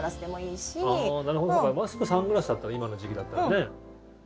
なるほどマスク、サングラスだったら今の時期だったらね。